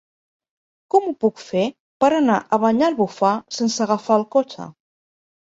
Com ho puc fer per anar a Banyalbufar sense agafar el cotxe?